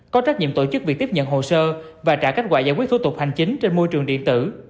có trách nhiệm tổ chức việc tiếp nhận hồ sơ và trả kết quả giải quyết thủ tục hành chính trên môi trường điện tử